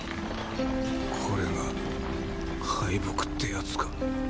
これが敗北ってやつか